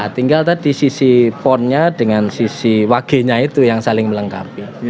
tinggal tadi sisi ponnya dengan sisi wage nya itu yang saling melengkapi